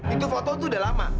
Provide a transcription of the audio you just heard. itu foto tuh udah lama